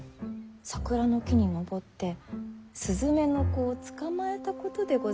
桜の木に登ってスズメの子を捕まえたことでございましょうか？